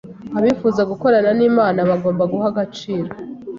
Abifuza gukorana n’Imana bagomba guha agaciro